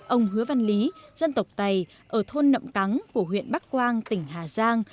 ông hứa văn lý dân tộc tày ở thôn nậm cắn của huyện bắc quang tỉnh hà giang